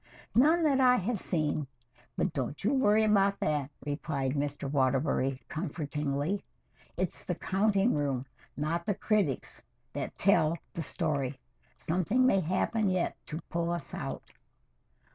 "None that I have seen but don't you worry about that," replied Mr. Waterbury comfortingly. "It's the counting room, not the critics, that tell the story. Something may happen yet to pull us out."